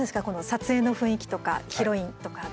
撮影の雰囲気とか、ヒロインとか。